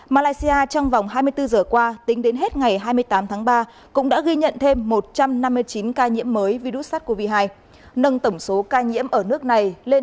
malaysia trong vòng hai mươi bốn giờ qua tính đến hết ngày hai mươi tám tháng ba cũng đã ghi nhận thêm một trăm năm mươi chín ca nhiễm mới virus sars cov hai nâng tổng số ca nhiễm ở nước này lên